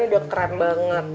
udah keren banget